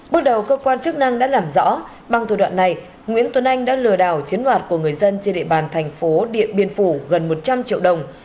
bước đầu cơ quan chức năng đã làm rõ bằng thủ đoạn này nguyễn tuấn anh đã lừa đảo chiếm đoạt của người dân trên địa bàn thành phố điện biên phủ gần một trăm linh triệu đồng